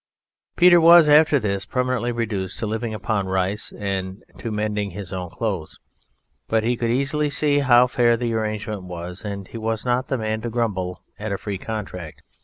Peter was after this permanently reduced to living upon rice and to mending his own clothes; but he could easily see how fair the arrangement was, and he was not the man to grumble at a free contract.